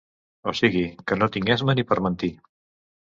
O sigui que no tinc esma ni per mentir.